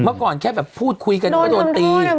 เมื่อก่อนแค่แบบพูดคุยกันก็โดนตี